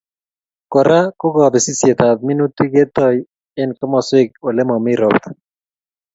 Kora ko kobisisietab minutik ketoi eng komoswek olemami ropta